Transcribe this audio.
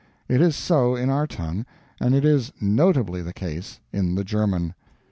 It is so in our tongue, and it is notably the case in the German.